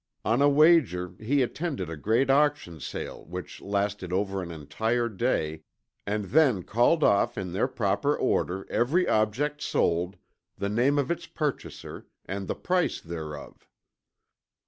On a wager, he attended a great auction sale which lasted over an entire day, and then called off in their proper order every object sold, the name of its purchaser, and the price thereof.